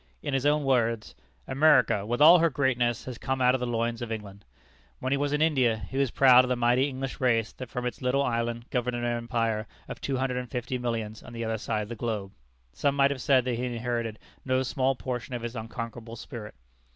In his own words: "America, with all her greatness, has come out of the loins of England." When he was in India he was proud of the mighty English race that from its little island governed an empire of two hundred and fifty millions on the other side of the globe. Some might have said that he inherited no small portion of its unconquerable spirit.